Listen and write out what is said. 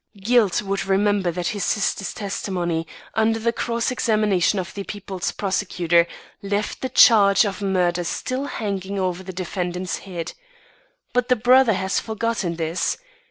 Guilt would remember that his sister's testimony, under the cross examination of the people's prosecutor, left the charge of murder still hanging over the defendant's head. But the brother has forgotten this.